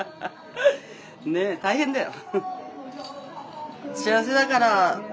ねえ大変だよ。